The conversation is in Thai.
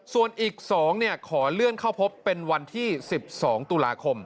ส่วนอีก๒ขอเลื่อนเข้าพบเป็นวันที่๑๒ตุลาคม